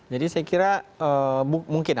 jadi saya kira mungkin